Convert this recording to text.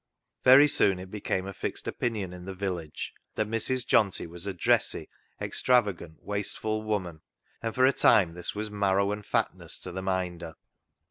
Very soon it became a fixed opinion in the village that Mrs. Johnty was a dressy, extrava gant, wasteful woman, and for a time this was marrow and fatness to the Minder.